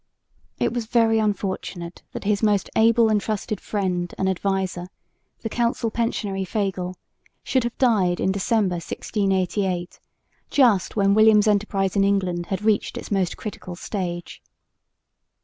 It was very unfortunate that his most able and trusted friend and adviser, the Council Pensionary Fagel, should have died, in December, 1688, just when William's enterprise in England had reached its most critical stage.